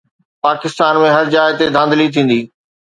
پاڪستان ۾ هر جاءِ تي ڌانڌلي ٿيندي